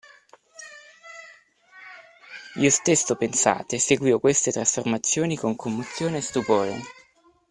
Io stesso, pensate, seguivo queste trasformazioni con commozione e stupore.